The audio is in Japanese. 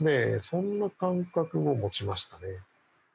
そんな感覚も持ちましたね。